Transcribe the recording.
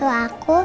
sama tua aku